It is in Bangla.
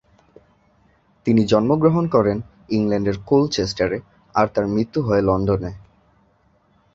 তিনি জন্মগ্রহণ করেন ইংল্যান্ডের কোলচেস্টারে, আর তার মৃত্যু হয় লন্ডনে।